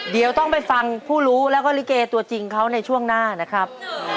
เดี๋ยวต้องไปฟังผู้รู้แล้วก็ลิเกตัวจริงเขาในช่วงหน้านะครับ